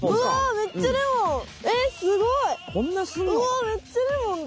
めっちゃレモンだ。